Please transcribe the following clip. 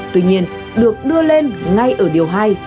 tuy nhiên được đưa lên ngay ở điều hai